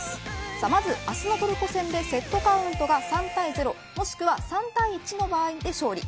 まず明日のトルコ戦でセットカウントが３対０もしくは３対１の場合で勝利。